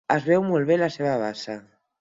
Es veu molt bé la seva bassa.